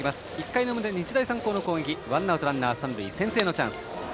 １回表、日大三高の攻撃ワンアウトランナー、三塁で先制のチャンス。